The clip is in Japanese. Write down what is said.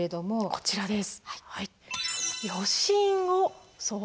こちらです。